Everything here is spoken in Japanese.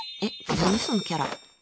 何そのキャラ。